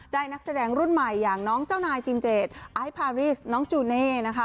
นักแสดงรุ่นใหม่อย่างน้องเจ้านายจินเจดไอซ์พารีสน้องจูเน่นะคะ